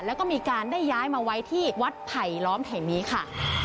แล้วก็มีการได้ย้ายมาไว้ที่วัดไผลล้อมแห่งนี้ค่ะ